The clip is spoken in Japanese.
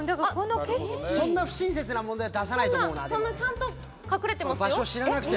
そんな不親切な問題出さないと思うな、でも。